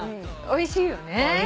おいしいよ。